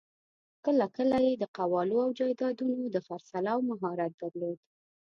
کله کله یې د قوالو او جایدادونو د خرڅلاوو مهارت درلود.